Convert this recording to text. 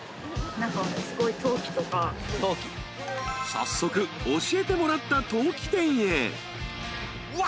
［早速教えてもらった陶器店へ］